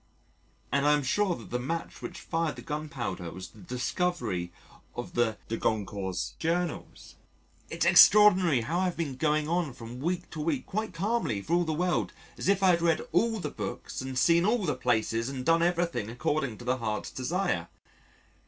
And I am sure that the match which fired the gun powder was the discovery of the De Goncourts' Journal! It's extraordinary how I have been going on from week to week quite calmly for all the world as if I had read all the books and seen all the places and done everything according to the heart's desire.